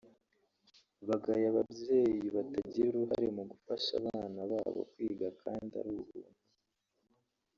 bagaya ababyeyi batagira uruhare mu gufasha abana babo kwiga kandi ari ubuntu